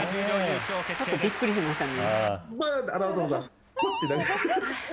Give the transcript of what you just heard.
ちょっとびっくりしましたね。